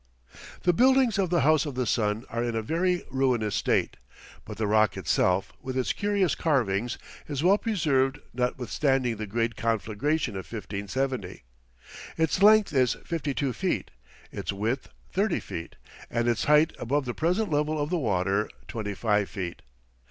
The buildings of the House of the Sun are in a very ruinous state, but the rock itself, with its curious carvings, is well preserved notwithstanding the great conflagration of 1570. Its length is fifty two feet, its width thirty feet, and its height above the present level of the water, twenty five feet.